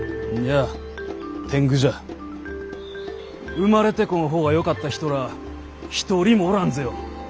生まれてこん方がよかった人らあ一人もおらんぜよ。